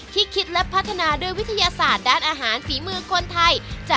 คิดและพัฒนาด้วยวิทยาศาสตร์ด้านอาหารฝีมือคนไทย